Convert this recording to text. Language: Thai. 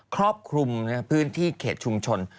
ครอบคลุมพื้นที่เขตชุมชน